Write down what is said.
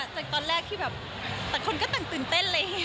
จากตอนแรกที่แบบต่างคนก็ต่างตื่นเต้นอะไรอย่างนี้